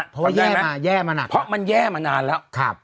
เพราะว่าแย่มาแย่มาหนักเพราะว่ามันแย่มานานแล้วครับ